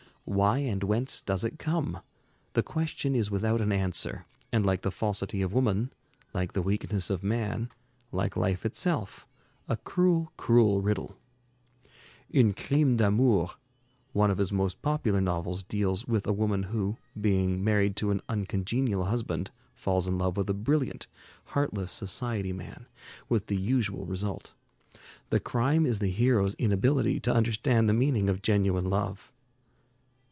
"Why and whence does it come? The question is without an answer, and like the falsity of woman, like the weakness of man, like life itself, a cruel, cruel riddle." 'Une Crime d'Amour,' one of his most popular novels, deals with a woman who, being married to an uncongenial husband, falls in love with a brilliant, heartless society man, with the usual result. The crime is the hero's inability to understand the meaning of genuine love.